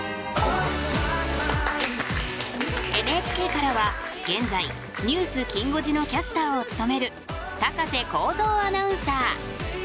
ＮＨＫからは現在「ニュースきん５時」のキャスターを務める高瀬耕造アナウンサー。